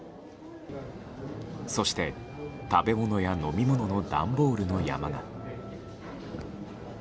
そして、食べ物や飲み物の段ボールの山が。